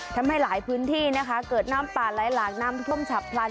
ทำให้หลายพื้นที่นะคะเกิดน้ำป่าไหลหลากน้ำท่วมฉับพลัน